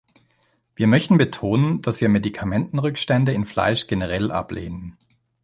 Wir möchten betonen, dass wir Medikamentenrückstände in Fleisch generell ablehnen.